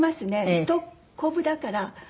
ヒトコブだから。